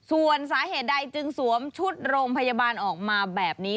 ส่วนสาเหตุใดจึงสวมชุดโรงพยาบาลออกมาแบบนี้